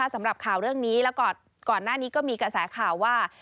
สำหรับข่าวเรื่องนี้แล้วก่อนหน้านี้ก็มีกระแสข่าวว่า